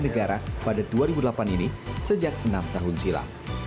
yang didalami pemuda lulusan sekolah polisi negara pada dua ribu delapan ini sejak enam tahun silam